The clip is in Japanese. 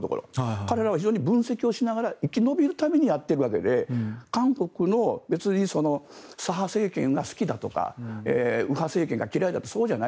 彼らは非常に分析をしながら生き延びるためにやっているわけで韓国の左派政権が好きだとか右派政権が嫌いだとかそうじゃない。